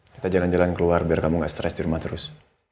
kita jalan jalan keluar biar kamu gak stres di rumah terus